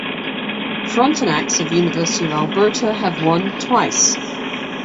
Frontenacs of University of Alberta have won twice.